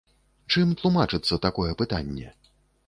Чым тлумачыцца такое пытанне?